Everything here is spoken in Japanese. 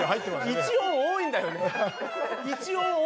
１音多いんだよね。